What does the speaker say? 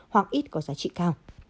hoặc ít có giá trị cao